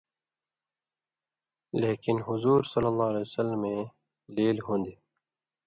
لېکن حضورؐ اے لیل ہُوۡن٘دیۡ،